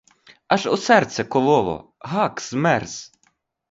Аж у серце кололо, гак змерз.